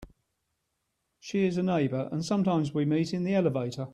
She is a neighbour, and sometimes we meet in the elevator.